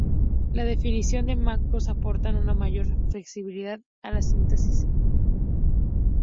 La definición de macros aportan una mayor flexibilidad a la sintaxis.